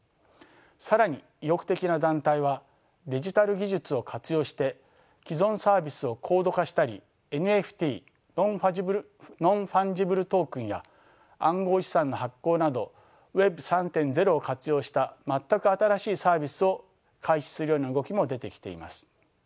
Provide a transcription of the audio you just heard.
更に意欲的な団体はデジタル技術を活用して既存サービスを高度化したりＮＦＴや暗号資産の発行などＷｅｂ３．０を活用した全く新しいサービスを開始するような動きも出てきています。